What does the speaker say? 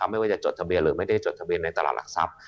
ไม่ว่าจะจดทะเบียนหรือไม่ได้จดทะเบียนในตลาดหลักทรัพย์